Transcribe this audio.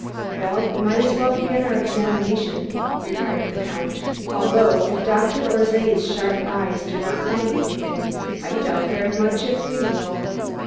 "Well, we might as well begin our examination," remarked the Count. "Although if Dr. Orszay's sharp eyes did not find anything, I doubt very much if we will.